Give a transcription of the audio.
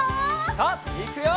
さあいくよ！